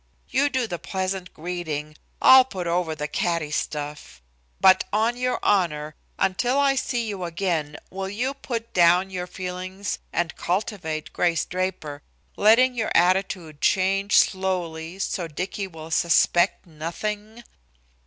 You do the pleasant greeting, I'll put over the catty stuff. But on your honor, until I see you again, will you put down your feelings and cultivate Grace Draper, letting your attitude change slowly, so Dicky will suspect nothing?"